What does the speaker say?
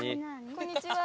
こんにちは。